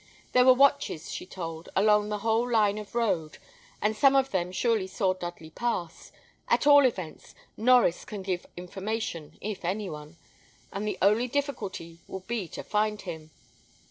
There were watches, she told, along the whole line of road, and some of them surely saw Dudley pass. At all events, Norries can give information, if any one; and the only difficulty will be to find him."